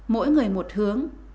mỗi người một hướng